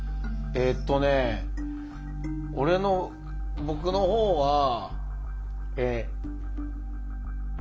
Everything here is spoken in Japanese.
えっとね俺の僕の方は。